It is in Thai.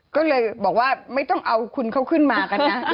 ก็เลยบอกว่าไม่ต้องเอาคุณเขาขึ้นมากันนะ